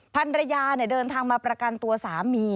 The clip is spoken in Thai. ภรรยาเดินทางมาประกันตัวสามี